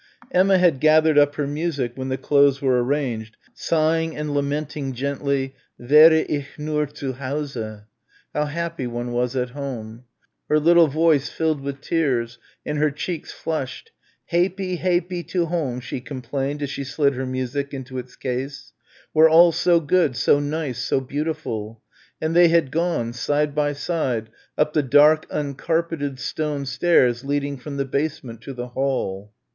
Emma had gathered up her music when the clothes were arranged, sighing and lamenting gently, "Wäre ich nur zu Hause" how happy one was at home her little voice filled with tears and her cheeks flushed, "haypie, haypie to home," she complained as she slid her music into its case, "where all so good, so nice, so beautiful," and they had gone, side by side, up the dark uncarpeted stone stairs leading from the basement to the hall.